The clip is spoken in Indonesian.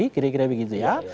kira kira begitu ya